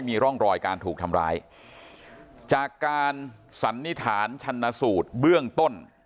มีร่องรอยการถูกทำร้ายจากการสันนิษฐานชันสูตรเบื้องต้น